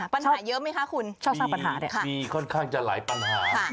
ปัญหาเยอะไหมคะคุณชอบสร้างปัญหาเนี่ยมีค่อนข้างจะหลายปัญหา